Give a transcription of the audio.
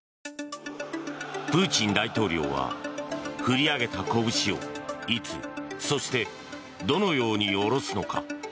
プーチン大統領は振り上げたこぶしをいつそして、どのように下ろすのか。